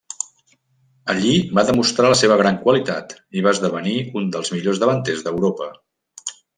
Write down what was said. Allí va demostrar la seva gran qualitat i va esdevenir un dels millors davanters d'Europa.